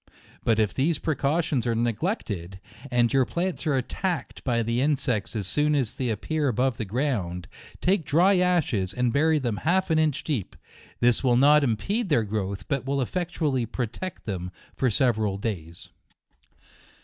But if these precautions are neglected, and your plants are attacked by the insects as soon as they appear above ground, take dry ashes, and bury them half an inch deep ; this will not impede their growth, but will effectually pro tect them for several day*.